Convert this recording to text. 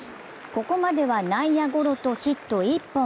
ここまでは内野ゴロとヒット１本。